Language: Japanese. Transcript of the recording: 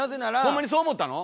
ほんまにそう思ったの？